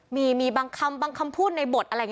มีบางคำบางคำพูดในบทอะไรอย่างนี้